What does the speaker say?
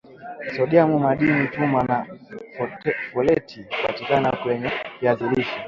sodiamu madini chuma na foleti hupatikana kwenye viazi lishe